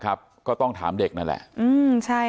โปรดติดตามต่อไป